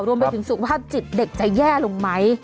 รวมไปถึงสุขภาพจิตเด็กจะแย่ลงไหม